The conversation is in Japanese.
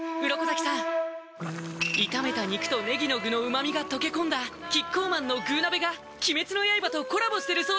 鱗滝さん炒めた肉とねぎの具の旨みが溶け込んだキッコーマンの「具鍋」が鬼滅の刃とコラボしてるそうです